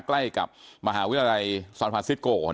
ใกล้กับมหาวิทยาลัยซอนพาซิโก